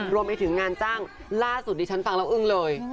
รวมไปถึงงานจ้างล่าสุดดิฉันฟังแล้วอึ้งเลย